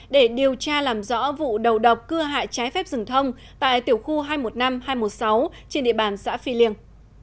để điều tra làm rõ vụ đầu độc cưa hại trái phép rừng thông tại tiểu khu hai trăm một mươi năm hai trăm một mươi sáu trên địa bàn xã phi liêng